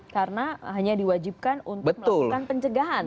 karena hanya diwajibkan untuk melakukan pencegahan